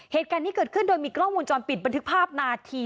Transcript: เหตุการณ์นี้เกิดขึ้นโดยมีกล้องวงจรปิดบันทึกภาพนาที